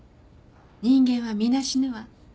人間は皆死ぬわ